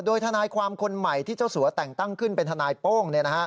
โดยทนายความคนใหม่ที่เจ้าสัวแต่งตั้งขึ้นเป็นทนายโป้ง